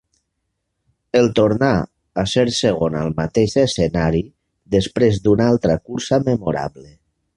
El tornà a ser segon al mateix escenari, després d'una altra cursa memorable.